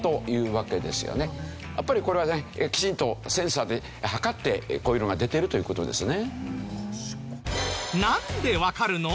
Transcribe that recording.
やっぱりこれはねきちんとセンサーで測ってこういうのが出てるという事ですね。